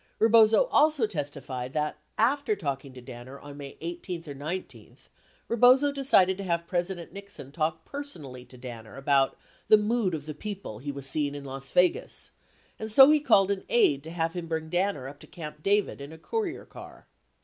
65 Rebozo also testified that after talking to Danner on May 18th or 19th, Rebozo decided to have President Nixon talk personally to Danner about the "mood of the people" he was seeing in Las Vegas, and so he called an aide to have him bring Danner up to Camp David in a courier car.